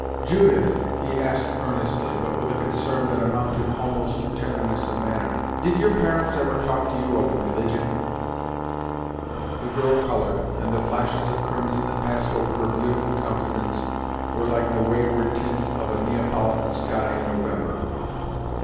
"Judith," he asked earnestly, but with a concern that amounted almost to tenderness of manner, "did your parents ever talk to you of religion?" The girl coloured, and the flashes of crimson that passed over her beautiful countenance were like the wayward tints of a Neapolitan sky in November.